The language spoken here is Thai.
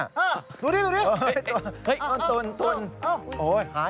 อะไรนะฮะ